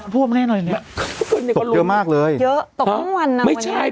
ร่วมแน่นอะไรเนี้ยเยอะมากเลยเยอะตกทั้งวันนะไม่ใช่